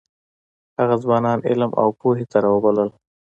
هغه ځوانان علم او پوهې ته راوبلل.